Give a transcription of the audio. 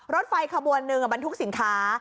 รถไฟขบวนหนึ่งบรรทุกสินค้า